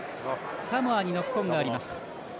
サモアにノックオンがありました。